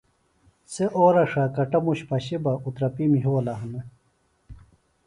سےۡ اورہ ݜا کٹموش پشیۡ بہ اُترپِیم یھولہ ہنہ